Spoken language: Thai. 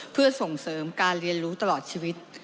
เพื่อส่งเสริมการเรียนรู้ตลอดชีวิต